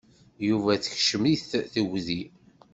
Yuba tekcem-it tegdi.